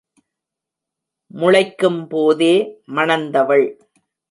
முளைக்கும் போதே மணந்தவள்.